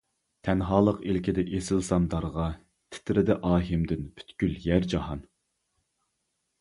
تەنھالىق ئىلكىدە ئېسىلسام دارغا، تىترىدى ئاھىمدىن پۈتكۈل يەر-جاھان.